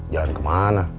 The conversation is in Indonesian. jalan ke mana